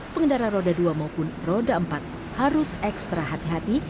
pengendara roda dua maupun roda empat harus ekstra hati hati